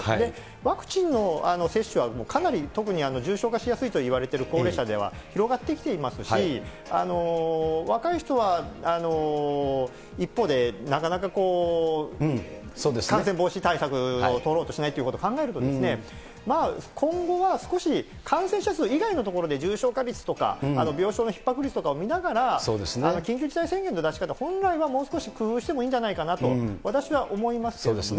ワクチンの接種は、かなり、特に重症化しやすいといわれている高齢者では広がってきていますし、若い人は一方でなかなか感染防止対策を取ろうとしないということを考えると、今後は少し感染者数以外のところで、重症化率とか、病床のひっ迫率とかを見ながら、緊急事態宣言の出し方、本来はもう少し工夫してもいいんじゃないかなと、私は思いますよね。